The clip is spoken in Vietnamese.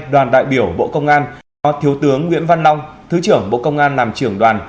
đoàn đại biểu bộ công an thứ trưởng nguyễn văn long thứ trưởng bộ công an làm trưởng đoàn